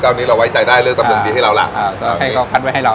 ตอนนี้เราไว้ใจได้เลือกตำรงดีให้เราล่ะอ่าก็ให้เขาคัดไว้ให้เรา